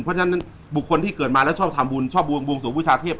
เพราะฉะนั้นบุคคลที่เกิดมาแล้วชอบทำบุญชอบบวงสวงบูชาเทพ